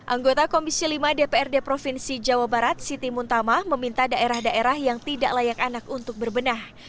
anggota komisi lima dprd provinsi jawa barat siti muntama meminta daerah daerah yang tidak layak anak untuk berbenah